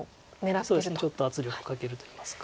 そうですねちょっと圧力かけるといいますか。